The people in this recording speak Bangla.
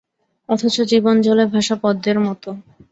অথচ জীবন জলে ভাসা পদ্মের মতো।